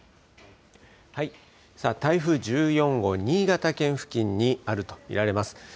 はい、台風１４号新潟県付近にあると見られます。